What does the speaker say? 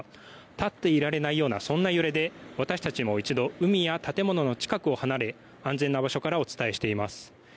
立っていられないようなそんな揺れで私たちも一度、海や建物から離れ安全な場所からお伝えしています。